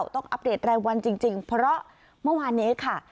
อัปเดตรายวันจริงเพราะเมื่อวานนี้ค่ะ